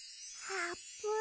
あーぷん！